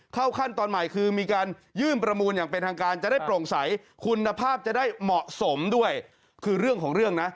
ขั้นตอนใหม่คือมีการยื่นประมูลอย่างเป็นทางการจะได้โปร่งใสคุณภาพจะได้เหมาะสมด้วยคือเรื่องของเรื่องนะ